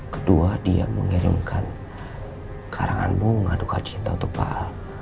kedua dia mengirimkan karangan bunga duka cinta untuk pak al